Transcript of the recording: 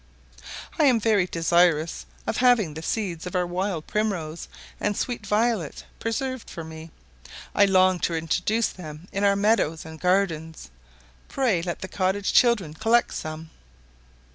I am very desirous of having the seeds of our wild primrose and sweet violet preserved for me; I long to introduce them in our meadows and gardens. Pray let the cottage children collect some.